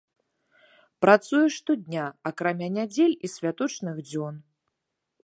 Працуе штодня, акрамя нядзель і святочных дзён.